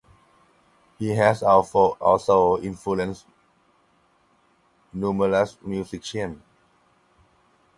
He has also influenced numerous musicians.